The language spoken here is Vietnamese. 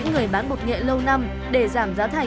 người sản xuất bột nghệ lâu năm để giảm giá thành